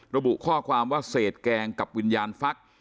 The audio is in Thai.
ระบุข้อความว่าเศษแกงกับวิญญาณฟัก